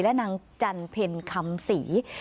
และนางจันเพ็ญคำศรี